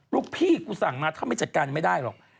ลูกพี่กูสั่งมาถ้าไม่จัดการไม่ได้หรอก